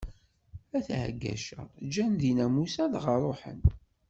At Ɛaggaca ǧǧan dinna Musa dɣa ṛuḥen.